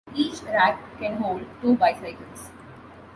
Each rack can hold two bicycles.